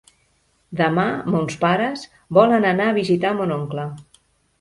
Demà mons pares volen anar a visitar mon oncle.